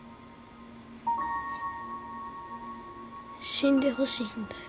死んでほしいんだよ。